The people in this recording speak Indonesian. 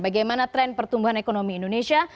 bagaimana tren pertumbuhan ekonomi indonesia